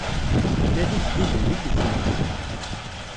Nadit deg yigenni, deg tmurt.